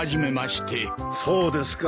そうですか。